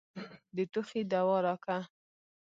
د ټوخي دوا راکه.